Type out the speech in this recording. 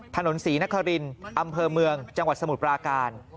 ถนนศรีนครินอำเภอเมืองจังหวัดสมุทรปราการ